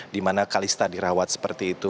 di mana kalista dirawat seperti itu